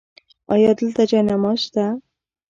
ایا دلته جای نماز شته؟